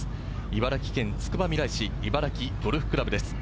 茨城県つくばみらい市茨城ゴルフ倶楽部です。